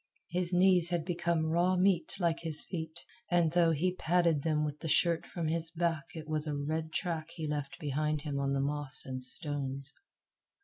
His knees had become raw meat like his feet, and though he padded them with the shirt from his back it was a red track he left behind him on the moss and stones.